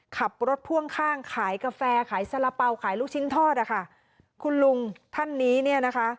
ขับรถพ่วงข้างขายกาแฟขายสาระเป๋าขายลูกชิ้นทอดอ่ะค่ะคุณลุงท่านนี้เนี่ยนะคะ